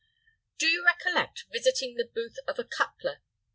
Do you recollect visiting the booth of a cutler?